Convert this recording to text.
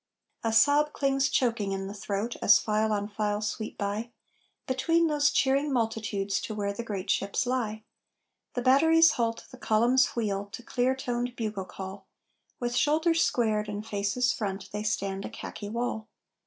A sob clings choking in the throat, as file on file sweep by, Between those cheering multitudes, to where the great ships lie; The batteries halt, the columns wheel, to clear toned bugle call, With shoulders squared and faces front they stand a khaki wall.